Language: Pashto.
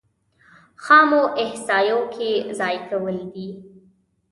خامو احصایو کې ځای کول دي.